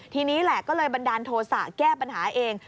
ทีนี้แหละก็เลยบันดาลโทษะแก้ปัญหาเอง